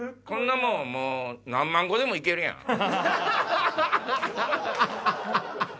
こんなもん何万個でも行けるやん。